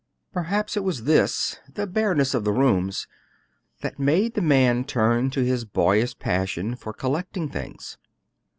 "Perhaps it was this the bareness of the rooms that made the man turn to his boyish passion for collecting things.